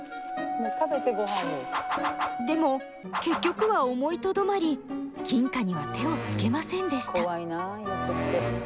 でも結局は思いとどまり金貨には手をつけませんでした。